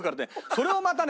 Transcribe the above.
それをまたね